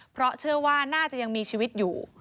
เพราะเชื่อว่าน่าจะยังมีชีวิตอยู่